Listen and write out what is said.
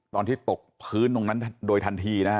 ตอนที่ตกพื้นตรงนั้นโดยทันทีนะฮะ